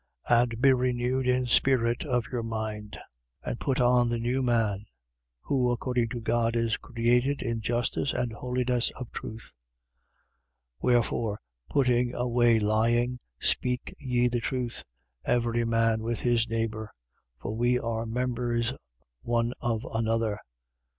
4:23. And be renewed in spirit of your mind: 4:24. And put on the new man, who according to God is created in justice and holiness of truth. 4:25. Wherefore, putting away lying, speak ye the truth, every man with his neighbour. For we are members one of another.